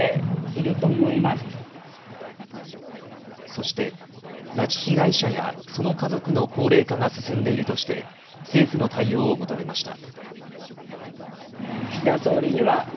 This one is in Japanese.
そして、拉致被害者やその家族の高齢化が進んでいるとして政府の対応を求めました。